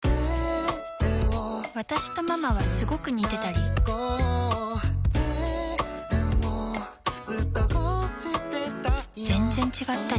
私とママはスゴく似てたり全然違ったり